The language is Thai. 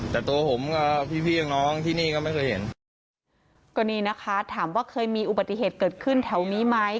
แต่ตัวผมกับพี่พี่น้องที่นี่ก็ไม่เคยเห็นก็นี่นะคะถามว่าเคยมีอุบัติเหตุเกิดขึ้นแถวนี้ไหม